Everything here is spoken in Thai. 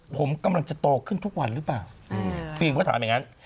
ผมกำลังจะโตขึ้นทุกวันหรือเปล่าฟิล์มก็ถามอย่างนั้น